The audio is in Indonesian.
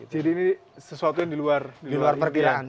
jadi ini sesuatu yang di luar rimpian